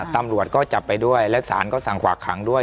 ตำรวจก็จับไปด้วยและสารก็สั่งขวากขังด้วย